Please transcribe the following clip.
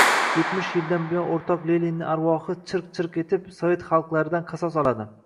Yetmish yildan buyon o‘rtoq Leninni arvohi chirq-chirq etib... sovet xalqlaridan qasos oladi!